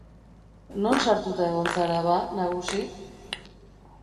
Non sartuta egon zara ba, nagusi?